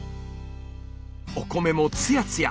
お米もつやつや。